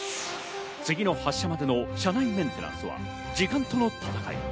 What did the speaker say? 次の発車までの車内メンテナンスは時間との戦い。